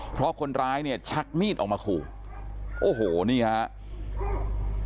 เพราะคนร้ายเนี่ยชักมีดออกมาขู่โอ้โหนี่ครับ